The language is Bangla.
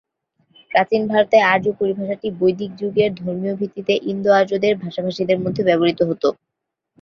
প্রাচীন ভারতে আর্য পরিভাষাটি বৈদিক যুগের ধর্মীয় ভিত্তিতে ইন্দো-আর্যদের ভাষাভাষীদের মধ্যে ব্যবহৃত হতো।